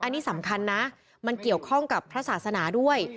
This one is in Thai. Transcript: อันนี้สำคัญนะมันเกี่ยวข้องกับพระศาสนาด้วย